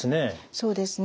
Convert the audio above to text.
そうですね。